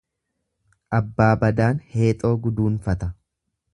Abbaa badaan heexoo guduunfata.